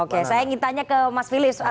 oke saya ingin tanya ke mas philip